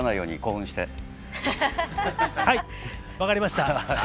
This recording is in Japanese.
分かりました。